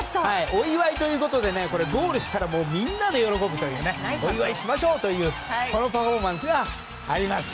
お祝いということでゴールしたらもうみんなで喜ぶというお祝いしましょうというパフォーマンスがあります。